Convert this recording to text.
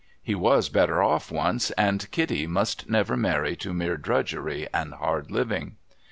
He was better off once, and Kitty must never marry to mere drudgery and hard living.'